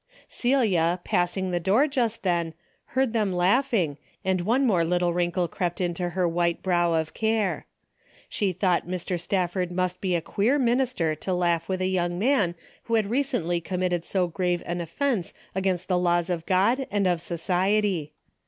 Celia, passing the door just then, heard them laughing and one more little wrinkle crept into her white brow of care. She thought Mr. Staf ford must be a queer minister to laugh with a young man who had recently committed so grave an offence against the laws of God and A DAILY RATE. 205 of society.